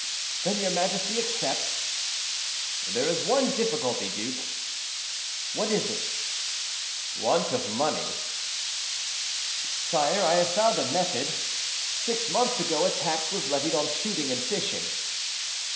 "Then your majesty accepts?" "There is only one difficulty, duke." "What is it?" "Want of money." "Sire, I have found a method. Six months ago a tax was levied on shooting and fishing."